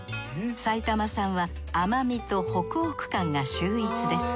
埼玉産は甘みとホクホク感が秀逸です。